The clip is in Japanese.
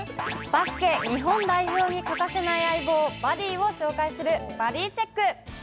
バスケ日本代表に欠かせない相棒、バディを紹介する、バディチェック。